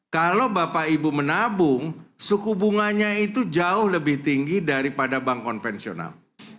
kalau bapak ibu menabung suku bunganya itu jauh lebih tinggi daripada bank konvensional